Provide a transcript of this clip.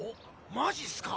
マジっすか。